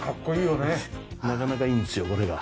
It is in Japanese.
なかなかいいんですよこれが。